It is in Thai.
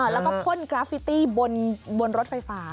แล้วก็พ่นกราฟิตี้บนรถไฟฟ้า